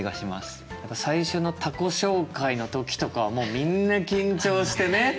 最初の他己紹介の時とかはもうみんな緊張してね